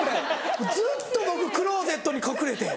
ずっと僕クローゼットに隠れて。